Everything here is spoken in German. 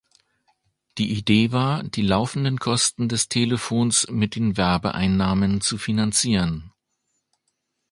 Die Idee war, die laufenden Kosten des Telefons mit den Werbeeinnahmen zu finanzieren.